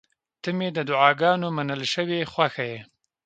• ته مې د دعاګانو منل شوې خوښه یې.